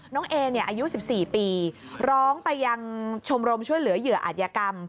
เออายุ๑๔ปีร้องไปยังชมรมช่วยเหลือเหยื่ออาจยกรรม